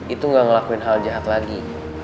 itu gak ngelakuin hal jahat lagi